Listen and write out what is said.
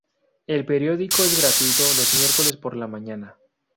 El periódico es gratuito los miércoles por la mañana